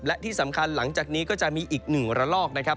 และที่สำคัญหลังจากนี้ก็จะมีอีกหนึ่งระลอกนะครับ